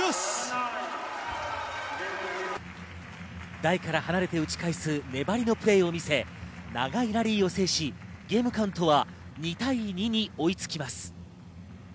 台から離れて打ち返す粘りのプレーを見せ、長いラリーを制し、ゲームカウントは２対２に追いつきます。